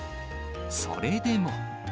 それでも。